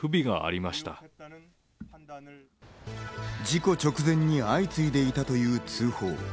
事故直前に相次いでいたという通報。